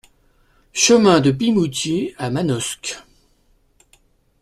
Chemin de Pimoutier à Manosque